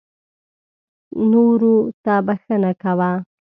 نورو ته بښنه کوه .